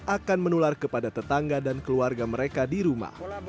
akan menular kepada tetangga dan keluarga mereka di rumah